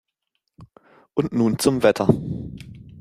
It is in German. Und nun zum Wetter.